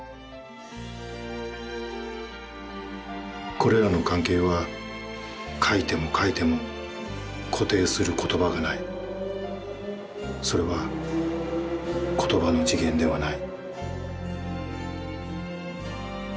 「これらの関係は書いても書いても固定する言葉がない、それは言葉の次元ではない」。